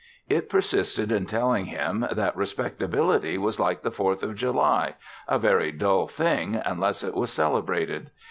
It persisted in telling him that respectability was like the Fourth of July a very dull thing unless it was celebrated.